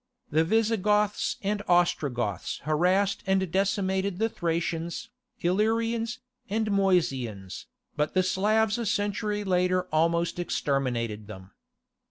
The Visigoths and Ostrogoths harassed and decimated the Thracians, Illyrians, and Moesians, but the Slavs a century later almost exterminated them.